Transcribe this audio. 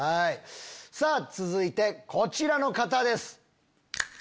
さぁ続いてこちらの方です。